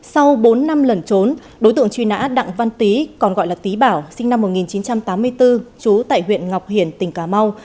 sau bốn năm lẩn trốn đối tượng truy nã đặng văn tí còn gọi là tí bảo sinh năm một nghìn chín trăm tám mươi bốn trú tại huyện ngọc hiển tỉnh cà mau